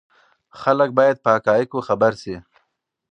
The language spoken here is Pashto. خلک باید په حقایقو خبر شي.